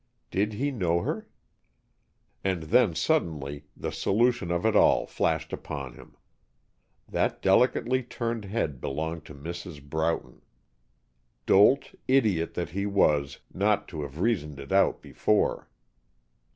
Did he know her? And then suddenly, the solution of it all flashed upon him. That delicately turned head belonged to Mrs. Broughton. Dolt, idiot, that he was, not to have reasoned it out before!